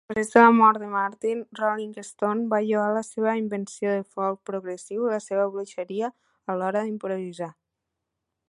Després de la mort de Martyn, "Rolling Stone" va lloar la seva "invenció de folk progressiu i la seva bruixeria a l"hora d"improvisar".